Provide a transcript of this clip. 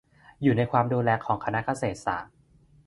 อยู่ในความดูแลของคณะเกษตรศาสตร์